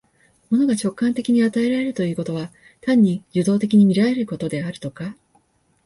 物が直観的に与えられるということは、単に受働的に見られることであるとか、